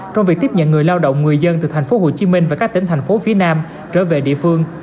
trong việc tiếp nhận người lao động người dân từ thành phố hồ chí minh và các tỉnh thành phố phía nam trở về địa phương